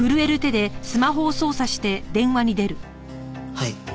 はい。